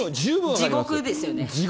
地獄ですね。